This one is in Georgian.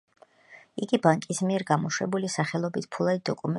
იგი ბანკის მიერ გამოშვებული სახელობით ფულად დოკუმენტს წარმოადგენს.